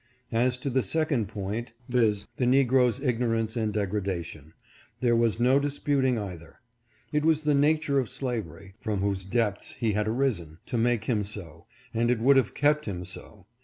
As to the second point, viz.: the negro's ignorance and degradation, there was no disputing either. It was the nature of slavery, from whose depths he had arisen, to make him so, and it would have kept him so.